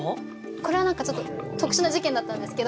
これは何かちょっと特殊な事件だったんですけど